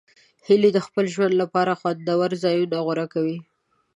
هیلۍ د خپل ژوند لپاره خوندور ځایونه غوره کوي